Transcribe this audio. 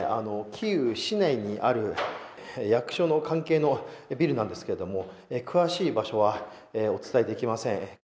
キーウ市内にある役所の関係のビルなんですけれども詳しい場所はお伝えできません。